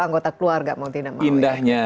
anggota keluarga mau tindak maunya indahnya